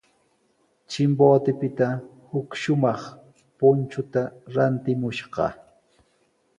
Chimbotepita huk shumaq punchuta rantimushqa.